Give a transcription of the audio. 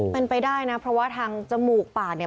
เป็นไปได้นะเพราะว่าทางจมูกปากเนี่ย